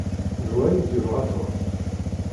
D wa ay yebɣa Tom.